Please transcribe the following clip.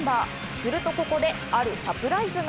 するとここで、あるサプライズが。